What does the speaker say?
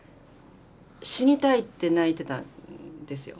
死にたいって泣いてたんですよ。